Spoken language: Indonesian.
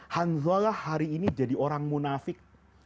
hanzalah hari ini jadi orang munafik